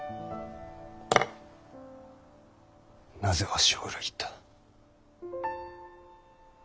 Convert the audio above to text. なぜわしを裏切った。